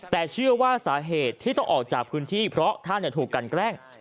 แต่เชื่อว่าสาเหตุที่ต้องออกจากพื้นที่เพราะท่านถูกกันแกล้ง